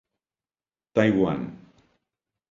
Taiwan.